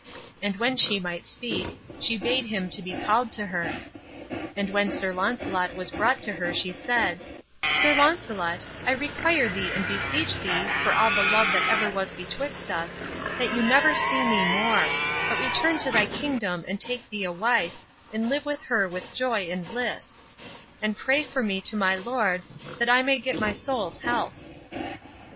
And when she might speak she bade him to be called to her. And when Sir Launcelot was brought to her she said: "Sir Launcelot, I require thee and beseech thee, for all the love that ever was betwixt us, that thou never see me more, but return to thy kingdom and take thee a wife, and live with her with joy and bliss; and pray for me to my Lord, that I may get my soul's health."